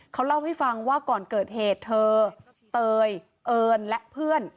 เขาเล่าให้ฟังว่าก่อนเกิดเหตุเธอเตยเอิญและเพื่อน